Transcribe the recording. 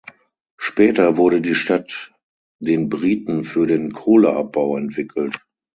Später wurde die Stadt den Briten für den Kohleabbau entwickelt.